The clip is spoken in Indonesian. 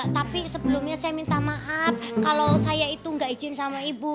tapi sebelumnya saya minta maaf kalau saya itu nggak izin sama ibu